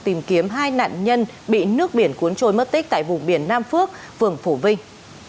tìm kiếm hai nạn nhân bị nước biển cuốn trôi mất tích tại vùng biển nam phước phường phổ vinh